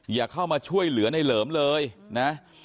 อย่าเข้ามาช่วยเหลือในเหลิมเลยนะ